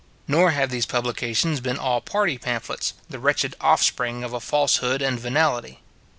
Nor have these publications been all party pamphlets, the wretched offspring of falsehood and venality.